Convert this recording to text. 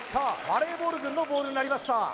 バレーボール軍のボールになりました